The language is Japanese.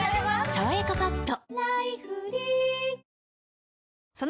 「さわやかパッド」